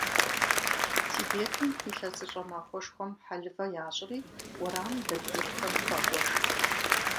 Тибетым ИлъэсыщӀэ махуэшхуэм хьэлывэ ящӀри, уэрамым дэт цӀыхухэм хуагуэш.